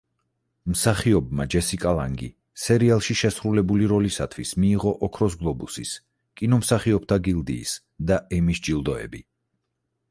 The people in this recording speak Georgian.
მსახიობმა ჯესიკა ლანგი სერიალში შესრულებული როლისათვის მიიღო ოქროს გლობუსის, კინომსახიობთა გილდიის და ემის ჯილდოები.